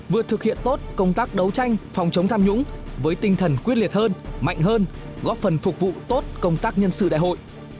vừa thực hiện tốt công tác đấu tranh phòng chống tham nhũng với tinh thần quyết liệt hơn mạnh hơn góp phần phục vụ tốt công tác nhân sự đại hội